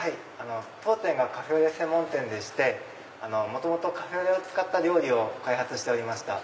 当店がカフェオレ専門店でして元々カフェオレを使った料理を開発しておりました。